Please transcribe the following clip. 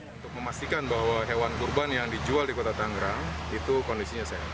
untuk memastikan bahwa hewan kurban yang dijual di kota tangerang itu kondisinya sehat